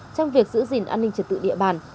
trong việc giữ gìn an ninh trật tự địa bàn